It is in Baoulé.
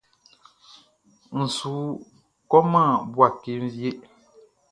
N su kɔman Bouaké wie.